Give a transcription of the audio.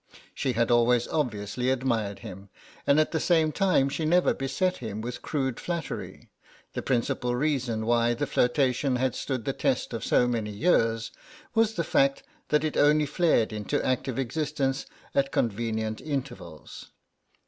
She had always obviously admired him, and at the same time she never beset him with crude flattery; the principal reason why the flirtation had stood the test of so many years was the fact that it only flared into active existence at convenient intervals.